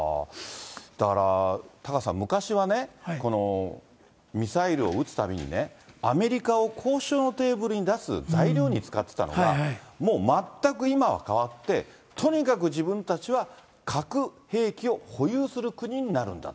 だから、タカさん、昔はね、ミサイルを撃つたびにアメリカを交渉のテーブルに出す材料に使ってたのが、もう全く今は変わって、とにかく自分たちは核兵器を保有する国になるんだ。